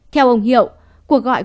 theo ông hiệu cuộc gọi